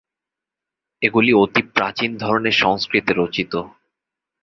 এগুলি অতি প্রাচীন ধরনের সংস্কৃতে রচিত।